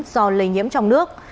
do lây nhiễm trong nước